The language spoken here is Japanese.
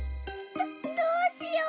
どどうしよう。